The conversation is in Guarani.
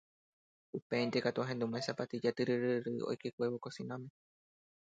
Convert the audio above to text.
upéinte katu ahendúma isapatilla tyryryryry oikévo kosináme.